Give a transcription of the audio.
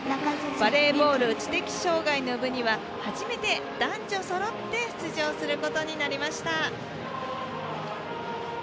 バレーボール知的障害の部には初めて男女そろって出場することになりました。